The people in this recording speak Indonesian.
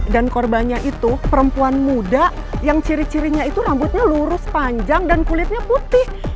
dan korbannya itu perempuan muda yang ciri cirinya itu rambutnya lurus panjang dan kulitnya putih